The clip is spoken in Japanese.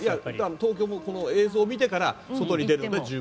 東京もこの映像を見てから外に出ても十分。